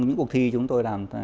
và những cuộc thi chúng tôi làm